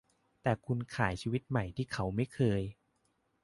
แต่คุณขายชีวิตใหม่ที่เขาไม่เคย